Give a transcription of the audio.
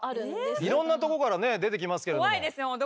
いろんなとこからね出てきますけれども。